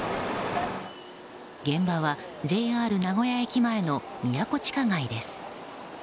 現場はＪＲ名古屋駅前のミヤコ地下街です。